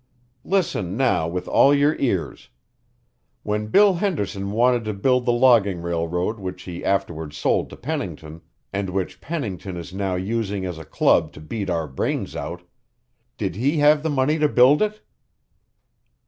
Listen, now, with all your ears. When Bill Henderson wanted to build the logging railroad which he afterward sold to Pennington, and which Pennington is now using as a club to beat our brains out, did he have the money to build it?"